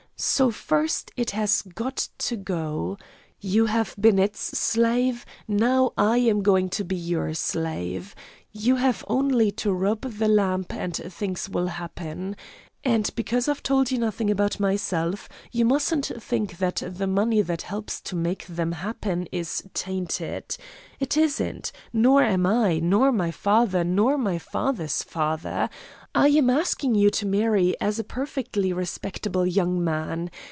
So first it has got to go. You have been its slave, now I am going to be your slave. You have only to rub the lamp and things will happen. And because I've told you nothing about myself, you mustn't think that the money that helps to make them happen is 'tainted.' It isn't. Nor am I, nor my father, nor my father's father. I am asking you to marry a perfectly respectable young man.